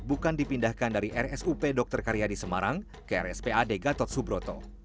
bukan dipindahkan dari rsup dr karyadi semarang ke rspad gatot subroto